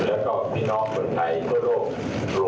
แล้วก็พี่น้องคนไทยทั่วโลก